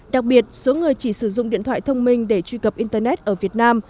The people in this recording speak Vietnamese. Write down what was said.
đặc biệt số người chỉ sử dụng điện thoại thông minh để truy cập internet ở việt nam